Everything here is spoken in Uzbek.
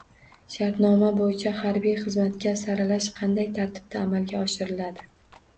Shartnoma bo‘yicha harbiy xizmatga saralash qanday tartibda amalga oshiriladi?